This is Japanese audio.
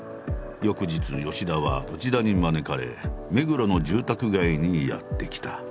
翌日田は内田に招かれ目黒の住宅街にやって来た。